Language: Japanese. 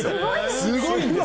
すごいんです。